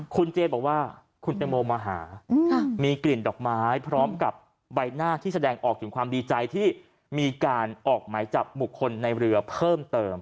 คุณเจบอกว่าคุณแตงโมมาหามีกลิ่นดอกไม้พร้อมกับใบหน้าที่แสดงออกถึงความดีใจที่มีการออกหมายจับบุคคลในเรือเพิ่มเติม